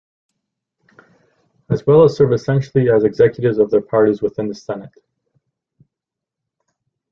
As well serve essentially as executives of their parties within the Senate.